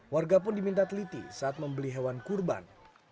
warga pun diminta teliti saat membeli hewan kurban